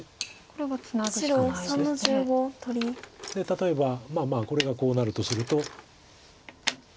例えばまあまあこれがこうなるとすると。